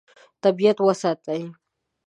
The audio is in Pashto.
طبیعت وساتئ.